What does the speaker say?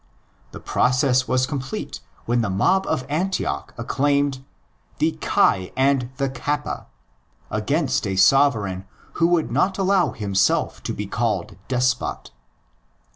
The process was complete when the mob of Antioch acclaimed '' the Chi and the Kappa''! against a sovereign who would not allow himself to be called '' despot."